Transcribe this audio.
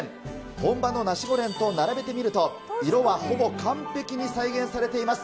本場のナシゴレンと並べてみると、色はほぼ完璧に再現されています。